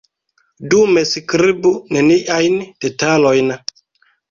Dume skribu neniajn detalojn.